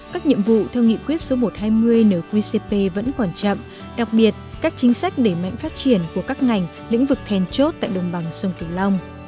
các nhiệm vụ theo nghị quyết số một trăm hai mươi nqcp vẫn còn chậm đặc biệt các chính sách để mạnh phát triển của các ngành lĩnh vực thèn chốt tại đồng bằng sông kiều long